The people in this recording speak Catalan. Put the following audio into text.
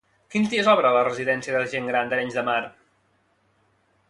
Quins dies obre la residència de gent gran d'Arenys de Mar?